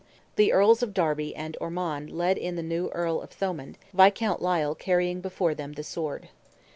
The Earls of Derby and Ormond led in the new Earl of Thomond, Viscount Lisle carrying before them the sword.